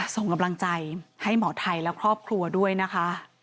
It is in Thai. ส่งกำลังใจให้หมอไทยและครอบครัวด้วยนะคะ